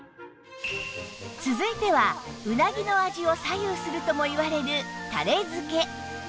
続いてはうなぎの味を左右するともいわれるたれ付け